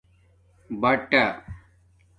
بٹھہ